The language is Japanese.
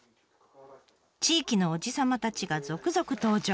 地域のおじ様たちが続々登場。